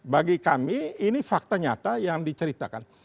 bagi kami ini fakta nyata yang diceritakan